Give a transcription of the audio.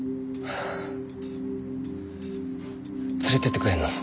連れて行ってくれんの？